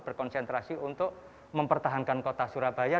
berkonsentrasi untuk mempertahankan kota surabaya